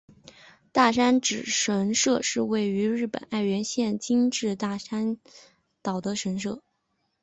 大山只神社是位在日本爱媛县今治市大三岛的神社。